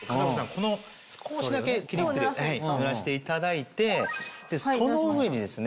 この少しだけ霧吹きで濡らしていただいてその上にですね